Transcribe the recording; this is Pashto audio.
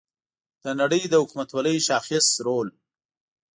د نړۍ د حکومتولۍ شاخص رول